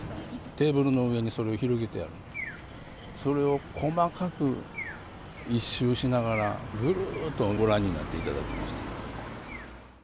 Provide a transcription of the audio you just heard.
テーブルの上にそれが広げてあったが、それを細かく一周しながら、ぐるーっとご覧になっていただきました。